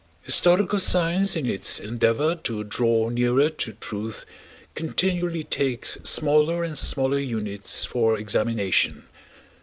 Historical science in its endeavor to draw nearer to truth continually takes smaller and smaller units for examination.